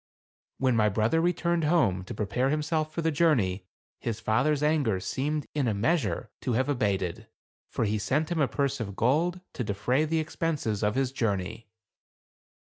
When my brother returned home, to prepare himself for the journey, his father's anger seemed in a measure, to have abated; for he sent him a purse of gold, to defray the expenses of his journey.